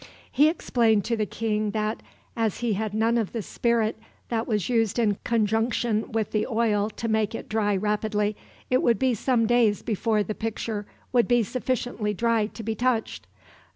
He explained to the king that, as he had none of the spirit that was used in conjunction with the oil to make it dry rapidly, it would be some days before the picture would be sufficiently dry to be touched.